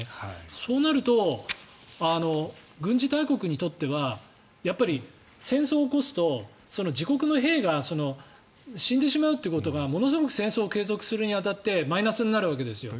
そうなると軍事大国にとっては戦争を起こすと自国の兵が死んでしまうということがものすごく戦争を継続するに当たってマイナスになるわけですよ。